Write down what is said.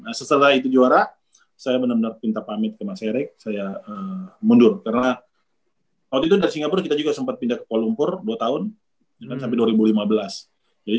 nah setelah itu juara saya benar benar minta pamit ke mas erick saya mundur karena waktu itu dari singapura kita juga sempat pindah ke kuala lumpur dua tahun sampai dua ribu lima belas